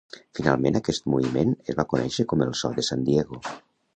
Finalment, aquest moviment es va conèixer com el "so de Sant Diego".